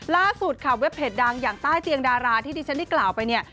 ล่าสุดค่ะเว็บเพจดังอย่างใต้เตียงดาราที่ดิฉันได้กล่าวไปเนี่ย